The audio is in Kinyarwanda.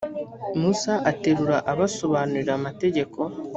musa aterura abasobanurira amategeko